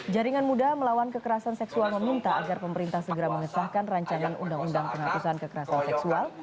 jaringan muda melawan kekerasan seksual meminta agar pemerintah segera mengesahkan rancangan undang undang penghapusan kekerasan seksual